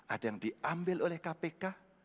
ada yang diambil oleh kpk